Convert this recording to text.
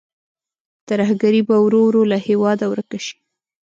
ترهګري به ورو ورو له هېواده ورکه شي.